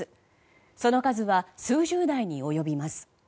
その数は数十台に及びます。